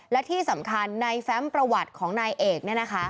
และที่สำคัญในแฟ้มประวัติของนายเอก